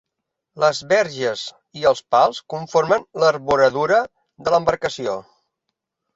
Les vergues i els pals conformen l'arboradura de l'embarcació.